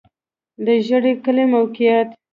د ژرۍ کلی موقعیت